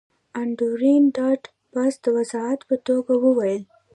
انډریو ډاټ باس د وضاحت په توګه وویل